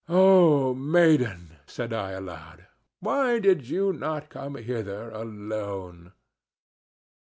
"Oh, maiden," said I aloud, "why did you not come hither alone?"